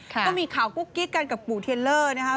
ก็มีข่าวกุ๊กกิ๊กกันกับปู่เทียลเลอร์นะคะ